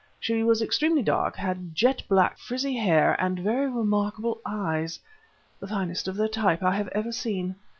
She was extremely dark, had jet black, frizzy hair and very remarkable eyes, the finest of their type I have ever seen.